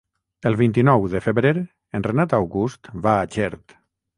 El vint-i-nou de febrer en Renat August va a Xert.